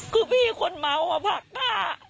คือพี่คนเมาอะผักผ้า